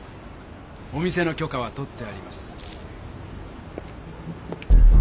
お店のきょかは取ってあります。